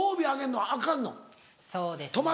そうです。